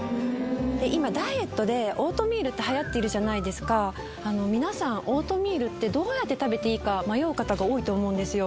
今ダイエットでオートミールってはやっているじゃないですか皆さんオートミールって方が多いと思うんですよ